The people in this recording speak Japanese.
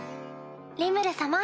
リムル様